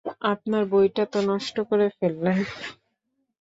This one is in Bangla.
আপনার বইটা তো নষ্ট করে ফেললেন।